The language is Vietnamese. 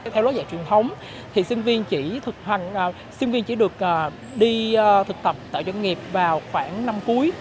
theo lối dạy truyền thống thì sinh viên chỉ được đi thực tập tại doanh nghiệp vào khoảng năm cuối